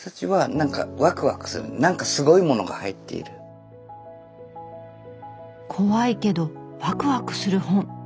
なんか怖いけどワクワクする本。